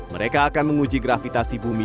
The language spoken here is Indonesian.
mereka akan menguji gravitasi bumi